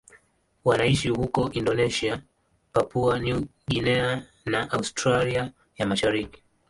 Wanaishi huko Indonesia, Papua New Guinea na Australia ya Mashariki.